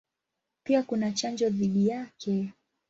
Pia kuna chanjo dhidi yake.